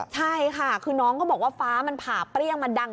ใช่ค่ะคือน้องเขาบอกว่าฟ้ามันผ่าเปรี้ยงมันดัง